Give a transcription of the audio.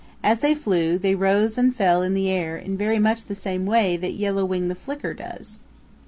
As they flew, they rose and fell in the air in very much the same way that Yellow Wing the Flicker does.